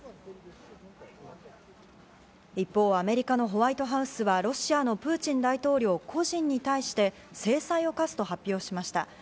一方、アメリカのホワイトハウスはロシアのプーチン大統領個人に対して制裁を科すと発表しました。